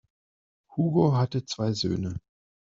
Hugo hatte zwei Söhne.